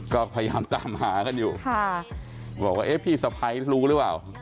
ก็พยายามตามหากันอยู่บอกว่าเอ๊ะพี่สะพ้ายรู้หรือเปล่า